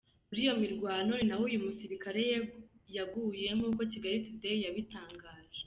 Muri iyo mirwano ni naho uwo musirikare yaguye nk’ uko Kigali today yabitangaje.